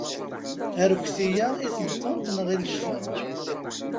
Arekti-a, i temtunt neɣ i lesfenǧ?